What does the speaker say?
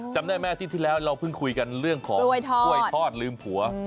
จำได้ไหมอาทิตย์ที่แล้วเราเพิ่งคุยกันเรื่องของกล้วยทอดลืมผัว